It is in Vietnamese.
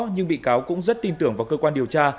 nhưng bị cáo cũng rất tin tưởng vào cơ quan điều tra